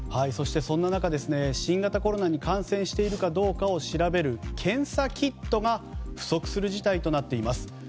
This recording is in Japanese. そして、そんな中新型コロナに感染しているかどうかを調べる検査キットが不足する事態となっています。